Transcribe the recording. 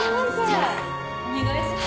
じゃあお願いします。